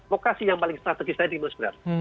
lokasi yang paling strategisnya di moskera